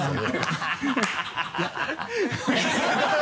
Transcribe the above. ハハハ